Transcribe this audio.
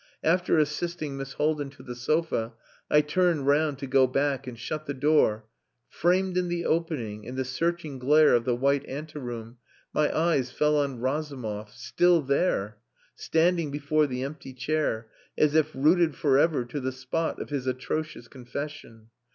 After assisting Miss Haldin to the sofa, I turned round to go back and shut the door Framed in the opening, in the searching glare of the white anteroom, my eyes fell on Razumov, still there, standing before the empty chair, as if rooted for ever to the spot of his atrocious confession.